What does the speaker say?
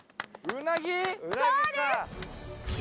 うなぎか！